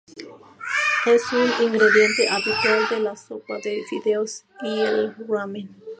Es un ingrediente habitual de la sopa de fideos y el "ramen".